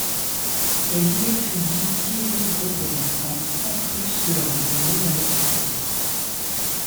Elle y écrivit dix livres pour enfants en plus de leur enseigner la lecture.